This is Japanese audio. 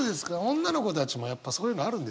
女の子たちもやっぱそういうのあるんですか？